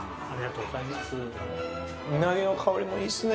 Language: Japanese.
うなぎの香りもいいっすね。